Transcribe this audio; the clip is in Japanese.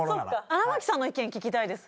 荒牧さんの意見聞きたいです